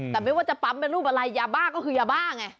แต่ไม่ว่าจะปั๊มเป็นรูปอะไรยาบ้าก็คือยาบ้าไง